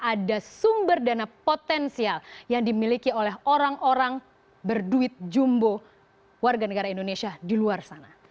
ada sumber dana potensial yang dimiliki oleh orang orang berduit jumbo warga negara indonesia di luar sana